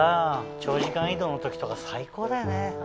長時間移動の時とか最高だよね！